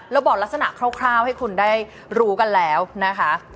บอกลักษณะคร่าวให้คุณได้รู้กันแล้วนะคะ